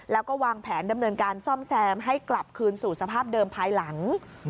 แล้วก็วางแผนดำเนินการซ่อมแซมให้กลับคืนสู่สภาพเดิมภายหลัง